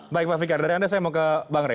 baik pak fikar dari anda saya mau ke bang rey